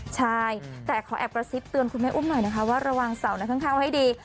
ใช่แต่ขอแอบกระซิบเตือนคุณแม่อุ้มหน่อยนะคะว่าระวังเสานะข้างให้ดี